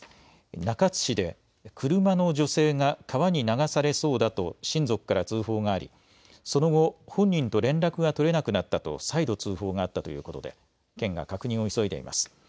中津市で車の女性が川に流されそうだと親族から通報がありその後、本人と連絡が取れなくなったと再度通報があったということで県が確認を急いでいます。